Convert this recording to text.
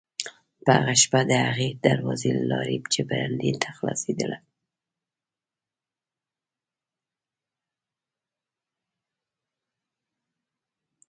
په هغه شپه د هغې دروازې له لارې چې برنډې ته خلاصېدله.